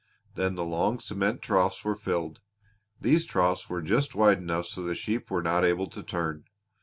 Then the long cement troughs were filled. These troughs were just wide enough so the sheep were not able to turn.